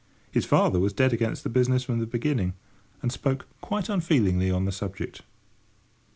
His father was dead against the business from the beginning, and spoke quite unfeelingly on the subject.